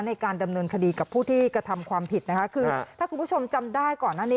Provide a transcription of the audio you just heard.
ในการดำเนินคดีกับผู้ที่กระทำความผิดนะคะคือถ้าคุณผู้ชมจำได้ก่อนหน้านี้